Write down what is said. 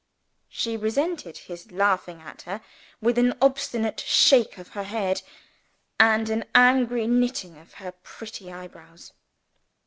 She resented his laughing at her, with an obstinate shake of her head, and an angry knitting of her pretty eyebrows.